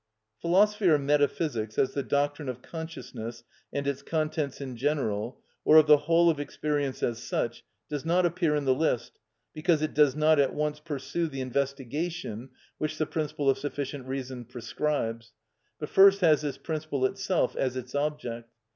Philosophy or Metaphysics, as the doctrine of consciousness and its contents in general, or of the whole of experience as such, does not appear in the list, because it does not at once pursue the investigation which the principle of sufficient reason prescribes, but first has this principle itself as its object.